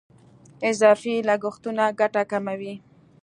اضافي لګښتونه ګټه کموي.